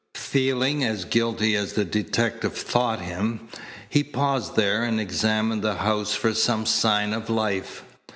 Feeling as guilty as the detective thought him, he paused there and examined the house for some sign of life.